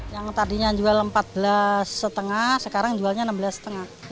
yang tadinya jual rp empat belas lima sekarang jualnya rp enam belas lima ratus